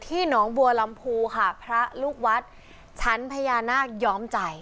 หนองบัวลำพูค่ะพระลูกวัดชั้นพญานาคย้อมใจ